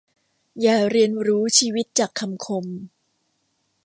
อย่าเรียนรู้ชีวิตจากคำคม